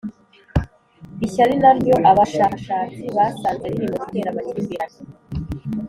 ishyari na ryo abashakashatsi basanze riri mu bitera amakimbirane.